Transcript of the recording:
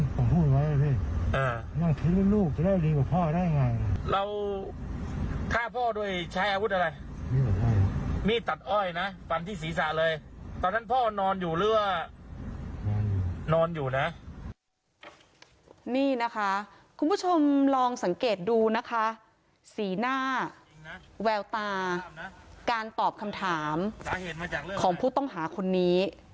ดูนะคะสีหน้าแววตาการตอบคำถามสาเหตุมาจากเรื่องของผู้ต้องหาคนนี้